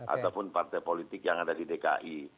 ataupun partai politik yang ada di dki